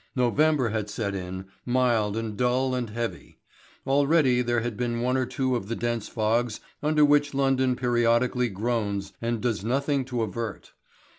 November had set in, mild and dull and heavy. Already there had been one or two of the dense fogs under which London periodically groans and does nothing to avert.